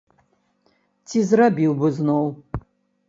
Ці зрабіў бы зноў?